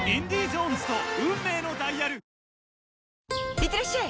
いってらっしゃい！